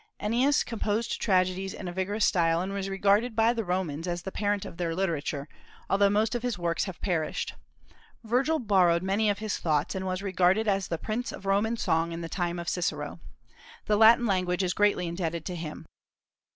Ennius composed tragedies in a vigorous style, and was regarded by the Romans as the parent of their literature, although most of his works have perished. Virgil borrowed many of his thoughts, and was regarded as the prince of Roman song in the time of Cicero. The Latin language is greatly indebted to him.